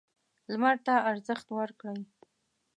لمر ته ارزښت ورکړئ.